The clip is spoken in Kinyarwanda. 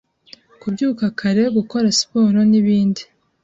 kubyuka kare, gukora siporo n’ibindi.